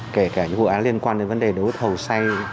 kể cả những vụ an liên quan đến vấn đề đối với thầu say